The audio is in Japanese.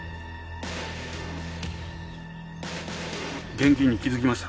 現金に気づきました。